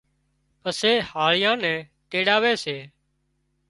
پسي هاۯيائان نين تيڙاوي سي